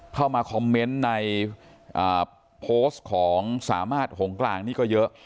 เข้ามาคอมเมนต์ในโพสต์ของสามารถหงกลางนี่ก็เยอะ